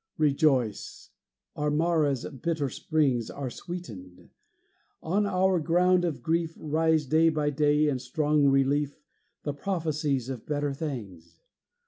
Rejoice! Our Marah's bitter springs Are sweetened; on our ground of grief Rise day by day in strong relief The prophecies of better things.